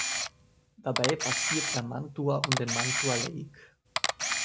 Dabei passiert er Mantua und den Mantua Lake.